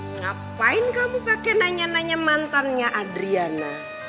ngapain kamu pakai nanya nanya mantannya adriana